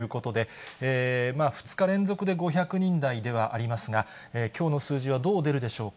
きのうは５３１人ということで、２日連続で５００人台ではありますが、きょうの数字はどう出るでしょうか。